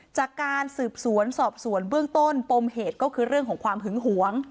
จากการสืบสวนสอบสวนเบื้องต้นปมเหตุก็คือเรื่องของความหึงหวง